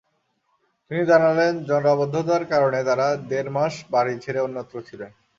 তিনি জানালেন, জলাবদ্ধতার কারণে তাঁরা দেড় মাস বাড়ি ছেড়ে অন্যত্র ছিলেন।